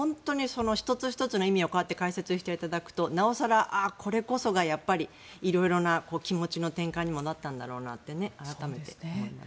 １つ１つの意味を解説していただくとなおさらこれこそがいろいろな気持ちの転換にもなったんだろうなと改めて思います。